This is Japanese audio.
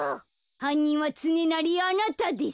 はんにんはつねなりあなたです。